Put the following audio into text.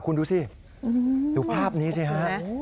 คุณดูสิถือภาพนี้ใช่ไหมนะ